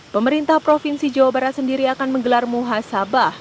pemerintah provinsi jawa barat sendiri akan menggelar muha sabar